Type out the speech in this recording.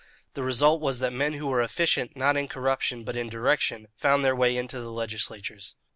The result was that men who were efficient, not in corruption, but in direction, found their way into the legislatures.